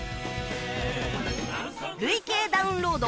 累計ダウンロード